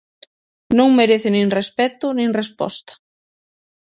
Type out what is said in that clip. "Non merece nin respecto nin resposta".